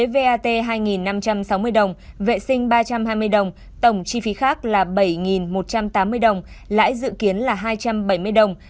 vat hai năm trăm sáu mươi đồng vệ sinh ba trăm hai mươi đồng tổng chi phí khác là bảy một trăm tám mươi đồng lãi dự kiến là hai trăm bảy mươi đồng